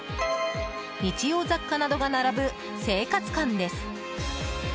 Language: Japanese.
日用雑貨などが並ぶ生活館です。